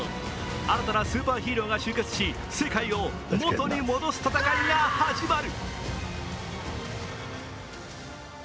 新たなスーパーヒーローが集結し世界を元に戻す戦いが始まる。